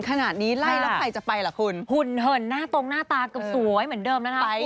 ไม่ชอบก็จะไปทำไม